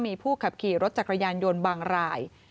มีผู้ขับขี่รถจักรยานยนต์บางราย